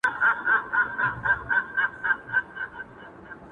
بېـگــاه خـو څـو انجونــو زمـزمـه كي دا ويــله _